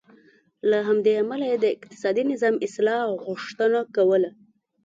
له همدې امله یې د اقتصادي نظام اصلاح غوښتنه کوله.